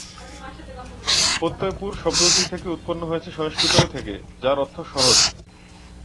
প্রত্যয় পুর শব্দটি থেকে উৎপন্ন হয়েছে সংস্কৃত থেকে, যার অর্থ শহর।